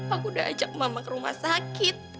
aku udah ajak mama ke rumah sakit